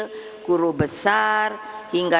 guru besar hingga